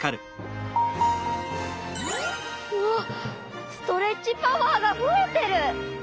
うわっストレッチパワーがふえてる！